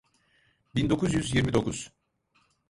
Bin dokuz yüz yirmi dokuz.